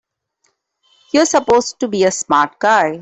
You're supposed to be a smart guy!